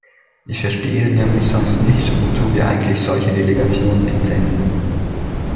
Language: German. Ich verstehe nämlich sonst nicht, wozu wir eigentlich solche Delegationen entsenden.